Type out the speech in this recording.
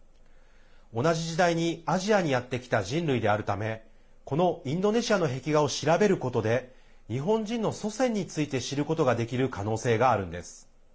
同じ時代にアジアにやってきた人類であるためこのインドネシアの壁画を調べることで日本人の祖先について知ることができる可能性があるんです。